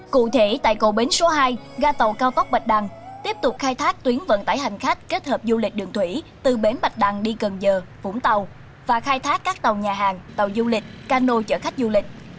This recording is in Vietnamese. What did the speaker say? cụ thể tại cầu bến số hai ga tàu cao tốc bạch đăng tiếp tục khai thác tuyến vận tải hành khách kết hợp du lịch đường thủy từ bến bạch đăng đi cần giờ vũng tàu và khai thác các tàu nhà hàng tàu du lịch cano chở khách du lịch